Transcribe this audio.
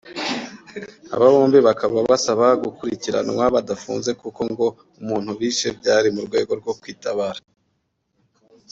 Aba bombi bakaba basaba gukurikiranwa badafunze kuko ngo umuntu bishe byari mu rwego rwo kwitabara